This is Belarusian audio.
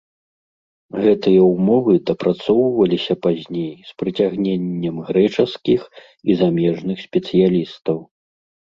Гэтыя ўмовы дапрацоўваліся пазней з прыцягненнем грэчаскіх і замежных спецыялістаў.